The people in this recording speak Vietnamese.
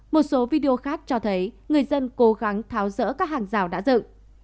một số video khác cho thấy người dân cố gắng tháo rỡ các hàng rào đã dựng